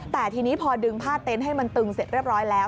แต่ทีนี้พอดึงผ้าเต็นต์ให้มันตึงเสร็จเรียบร้อยแล้ว